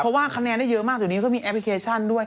เพราะว่าคะแนนได้เยอะมากเดี๋ยวนี้ก็มีแอปพลิเคชันด้วย